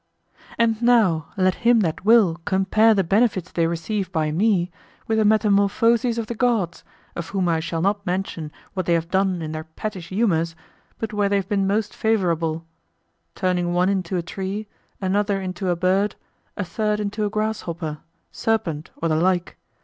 And now, let him that will compare the benefits they receive by me, the metamorphoses of the gods, of whom I shall not mention what they have done in their pettish humors but where they have been most favorable: turning one into a tree, another into a bird, a third into a grasshopper, serpent, or the like.